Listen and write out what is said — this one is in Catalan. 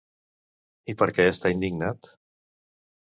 I per què està indignat?